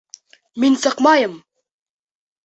Мин сыҡмайым!